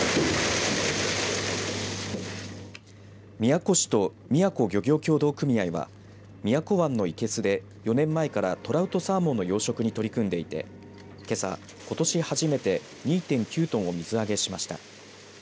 宮古市と宮古漁業協同組合は宮古湾の生けすで４年前からトラウトサーモンの養殖に取り組んでいてけさことし初めて２．９トンを水揚げしました